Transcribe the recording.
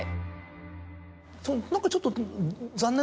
何かちょっと。